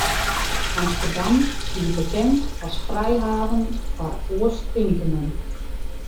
Amsterdam stie bekend as frijhaven foar oarstinkenden.